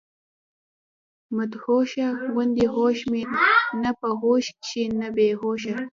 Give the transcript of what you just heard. مدهوشه غوندي هوش مي نۀ پۀ هوش کښې نۀ بي هوشه